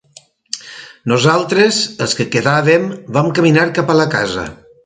Nosaltres, els que quedàvem, vam caminar cap a la casa.